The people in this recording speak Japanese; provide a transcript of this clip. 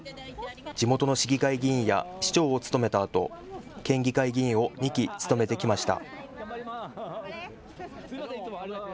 地元の市議会議員や市長を務めたあと県議会議員を２期務めてきました。